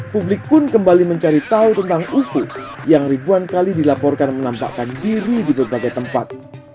publik pun kembali mencari tahu tentang isu yang ribuan kali dilaporkan menampakkan diri di berbagai tempat